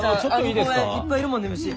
あの公園いっぱいいるもんね虫。